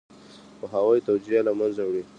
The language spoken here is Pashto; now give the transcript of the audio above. پوهاوی توجیه له منځه وړي.